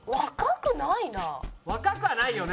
若くはないよね。